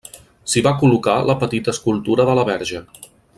S'hi va col·locar la petita escultura de la Verge.